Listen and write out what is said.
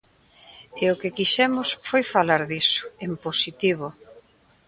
E o que quixemos foi falar diso, en positivo.